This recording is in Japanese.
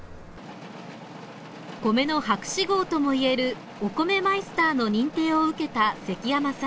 米の博士号ともいえるお米マイスターの認定を受けた関山さん。